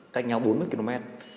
cách nhau bốn mươi km